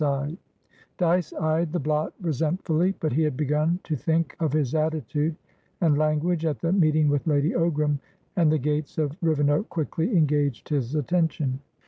Dyce eyed the blot resentfully; but he had begun to think of his attitude and language at the meeting with Lady Ogram, and the gates of Rivenoak quickly engaged his attention.